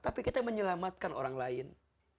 tapi kita menyelamatkan orang lain